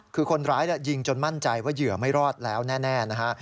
คือคนร้ายยิงจนมั่นใจว่าเหยื่อไม่รอดแล้วแน่นะฮะ